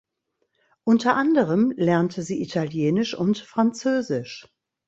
Unter anderem lernte sie Italienisch und Französisch.